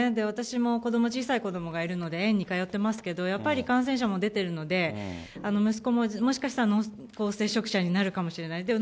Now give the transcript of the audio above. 私も子ども、小さい子どもがいるので、園に通ってますけど、やっぱり感染者も出てるので、息子ももしかしたら濃厚接触者になるかもしれない。